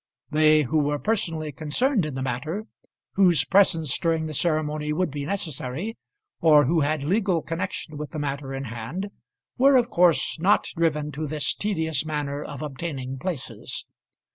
They who were personally concerned in the matter, whose presence during the ceremony would be necessary, or who had legal connection with the matter in hand, were of course not driven to this tedious manner of obtaining places.